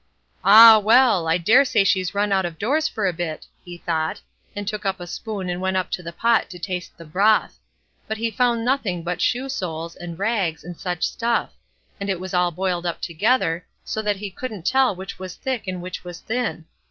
"Ah, well! I dare say she's just run out of doors for a bit", he thought, and took up a spoon and went up to the pot to taste the broth; but he found nothing but shoe soles, and rags, and such stuff; and it was all boiled up together, so that he couldn't tell which was thick and which was thin.